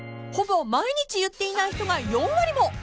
［ほぼ毎日言っていない人が４割も］